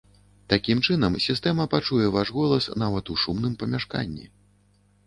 Такім чынам, сістэма пачуе ваш голас нават у шумным памяшканні.